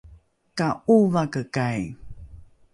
ka ’ovakekai